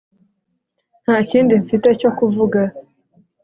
nta kindi mfite cyo kuvuga